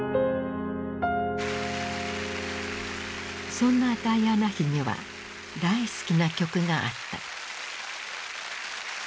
そんなダイアナ妃には大好きな曲があった。